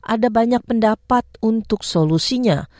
ada banyak pendapat untuk solusinya